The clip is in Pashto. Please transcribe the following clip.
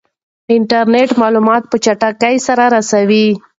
انټرنیټ معلومات په چټکۍ سره رسوي.